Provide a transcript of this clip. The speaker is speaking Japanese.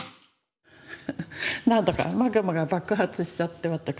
なんだかマグマが爆発しちゃって私。